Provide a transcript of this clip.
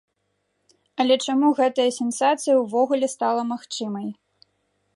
Але чаму гэтая сенсацыя ўвогуле стала магчымай?